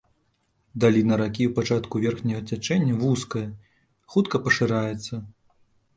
Даліна ракі ў пачатку верхняга цячэння вузкая, хутка пашыраецца.